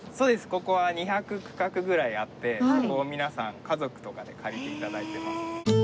ここは２００区画ぐらいあってそこを皆さん家族とかで借りて頂いてます。